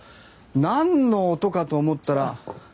何の音かと思ったら。